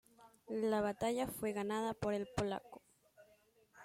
La batalla fue ganada por el polaco.